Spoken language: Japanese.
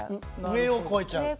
上を越えちゃう？